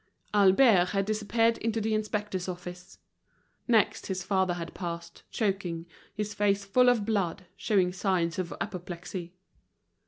Albert had disappeared into the inspectors' office. Next his father had passed, choking, his face full of blood, showing signs of apoplexy.